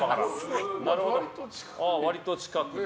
割と近くで。